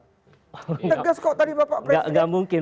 tegas kok tadi bapak presiden